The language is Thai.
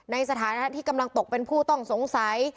ในฐานะที่กำลังตกเป็นผู้ต้องสงสัย